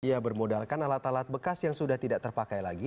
ia bermodalkan alat alat bekas yang sudah tidak terpakai lagi